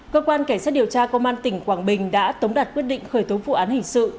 cơ quan cảnh sát điều tra công an tỉnh quảng bình đã tống đạt quyết định khởi tố vụ án hình sự